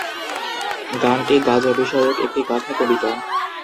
গানটি গাঁজা বিষয়ক একটি গাথা-কবিতা।